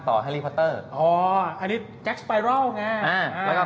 ต่อฮารี่พอตเตอร์อ๋ออันนี้แจ็คสปายรัลไงอ่าแล้วก็